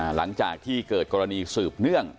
หลังจากที่เกิดกรณีสืบเนื่อง